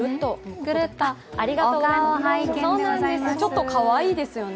顔、ちょっとかわいいですよね。